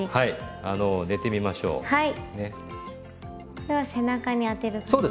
これは背中に当てる感じですか？